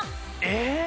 えっ？